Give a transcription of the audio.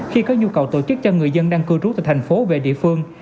khi có nhu cầu tổ chức cho người dân đang cư trú từ thành phố về địa phương